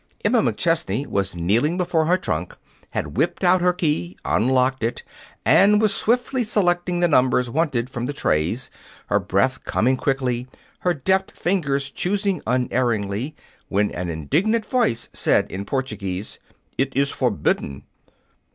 Emma McChesney was kneeling before her trunk, had whipped out her key, unlocked it, and was swiftly selecting the numbers wanted from the trays, her breath coming quickly, her deft fingers choosing unerringly, when an indignant voice said, in Portuguese, "It is forbidden!"